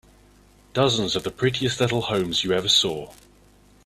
Dozens of the prettiest little homes you ever saw.